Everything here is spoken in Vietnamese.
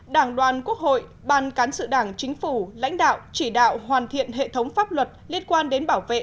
đảng đoàn quốc hội ban cán sự đảng chính phủ lãnh đạo chỉ đạo hoàn thiện hệ thống pháp luật liên quan đến bảo vệ